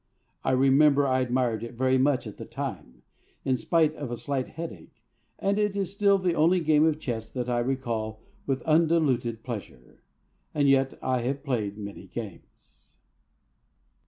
I remember I admired it very much at the time, in spite of a slight headache, and it is still the only game of chess that I recall with undiluted pleasure. And yet I have played many games.